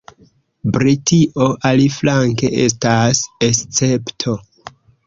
Britio, aliflanke, estas escepto.